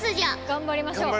頑張りましょう！